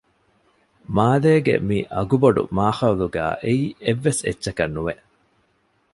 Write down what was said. މާލޭގެ މި އަގުބޮޑު މާޚައުލުގައި އެއީ އެއްވެސް އެއްޗަކަށް ނުވެ